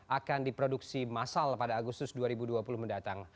akan diproduksi masal pada agustus dua ribu dua puluh mendatang